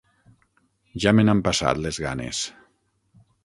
Ja me n'han passat les ganes.